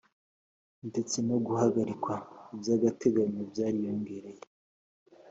ndetse no guhagarikwa by’agateganyo by’ariyongereye.